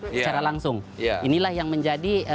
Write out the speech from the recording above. secara langsung inilah yang menjadi